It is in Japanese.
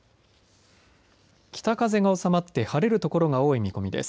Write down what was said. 北風が収まって晴れる所が多い見込みです。